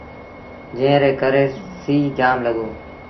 جݩهݩ ري ڪري سيٚ جآم لڳو۔